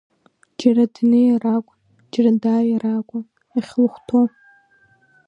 Џьара днеир акәын, џьара дааир акәын, иахьлыхәҭоу.